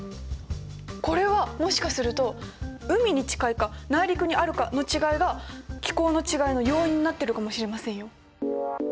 これはもしかすると海に近いか内陸にあるかの違いが気候の違いの要因になってるかもしれませんよ。